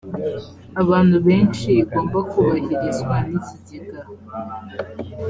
abantu benshi igomba kubahirizwa n’ikigega